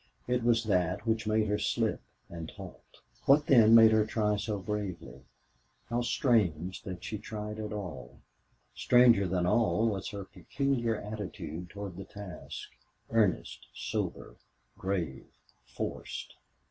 It was that which made her slip and halt. What then made her try so bravely? How strange that she tried at all! Stranger than all was her peculiar attitude toward the task earnest, sober, grave, forced.